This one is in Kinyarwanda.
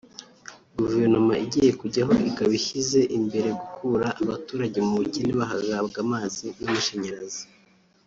guverinoma igiye kujyaho ikaba ishyize imbere gukura abaturage mu bukene bagahabwa amazi n’amashanyarazi